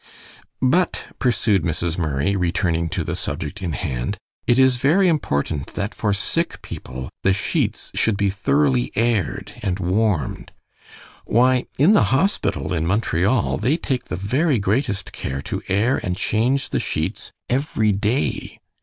"But," pursued Mrs. Murray, returning to the subject in hand, "it is very important that for sick people the sheets should be thoroughly aired and warmed. Why, in the hospital in Montreal they take the very greatest care to air and change the sheets every day.